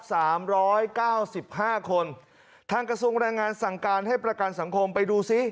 สามร้อยเก้าสิบห้าคนทางกระทรวงแรงงานสั่งการให้ประกันสังคมไปดูซิ